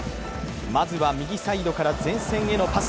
まずは右サイドから前線へのパス。